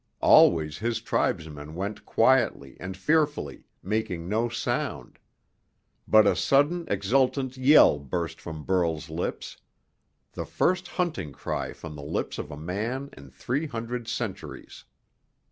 Always his tribesmen went quietly and fearfully, making no sound. But a sudden, exultant yell burst from Burl's lips the first hunting cry from the lips of a man in three hundred centuries!